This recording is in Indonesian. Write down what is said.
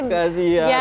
kasiat ya udah